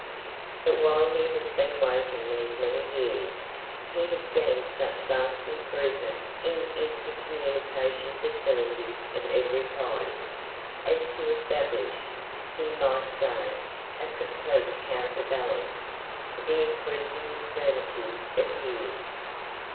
But while he has been waiting these many years, he has seen such vast improvement in inter communication facilities of every kind, as to establish, he might say, a complete counterbalance to the increasing infirmities of years.